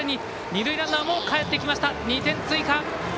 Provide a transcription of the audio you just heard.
二塁ランナーもかえってきて２点追加！